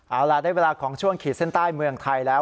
เอาล่ะได้เวลาของช่วงขีดเส้นใต้เมืองไทยแล้ว